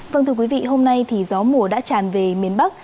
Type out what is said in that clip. vâng thưa quý vị hôm nay thì gió mùa đã tràn về miền bắc